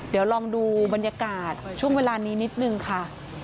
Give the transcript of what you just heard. เดี๋ยวลองดูบรรยากาศช่วงเวลานี้นิดนึงค่ะ